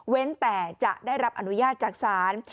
เว้นแต่จะได้รับอนุญาตจากสาร